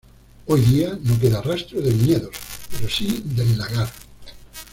Hoy día no queda rastro de viñedos, pero sí del lagar.